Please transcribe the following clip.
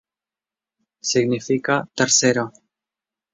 Significa tercero.